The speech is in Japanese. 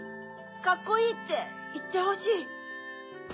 「カッコいい」っていってほしい。